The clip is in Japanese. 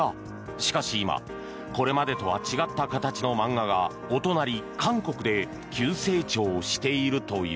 しかし、今これまでとは違った形の漫画がお隣、韓国で急成長しているという。